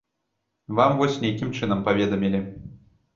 Вам вось нейкім чынам паведамілі.